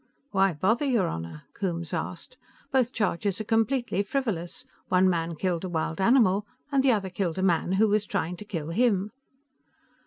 "Why bother, your Honor?" Coombes asked. "Both charges are completely frivolous. One man killed a wild animal, and the other killed a man who was trying to kill him."